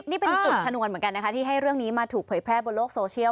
นี่เป็นจุดชนวนเหมือนกันนะคะที่ให้เรื่องนี้มาถูกเผยแพร่บนโลกโซเชียล